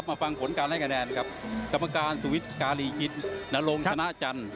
ครับมาฟังผลการแรกกระแดนครับกรรมการสวิตช์การีกิจนารงสนาจันทร์